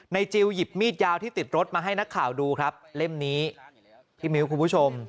จิลหยิบมีดยาวที่ติดรถมาให้นักข่าวดูครับเล่มนี้พี่มิ้วคุณผู้ชม